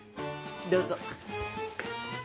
どうぞ。